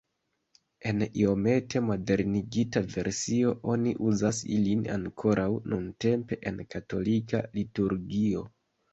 En iomete modernigita versio oni uzas ilin ankoraŭ nuntempe en katolika liturgio.